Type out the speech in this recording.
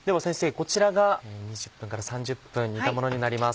こちらが２０分から３０分煮たものになります。